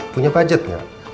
punya pajet gak